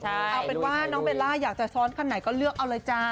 เอาเป็นว่าน้องเบลล่าอยากจะซ้อนคันไหนก็เลือกเอาเลยจ้า